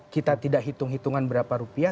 kita tidak hitung hitungan berapa rupiah